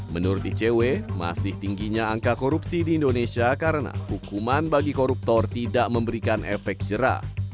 menurut dcw masih tingginya angka korupsi di indonesia karena hukuman bagi koruptor tidak memberikan efek jerah